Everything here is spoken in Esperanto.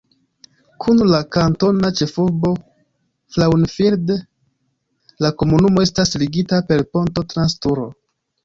Kun la kantona ĉefurbo Frauenfeld la komunumo estas ligita per ponto trans Turo.